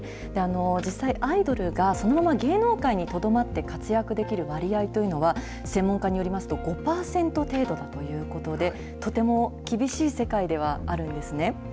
実際、アイドルがそのまま芸能界にとどまって活躍できる割合というのは、専門家によりますと、５％程度だということで、とても厳しい世界ではあるんですね。